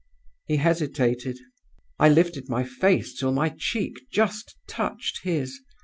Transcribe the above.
"He hesitated. "I lifted my face till my cheek just touched his.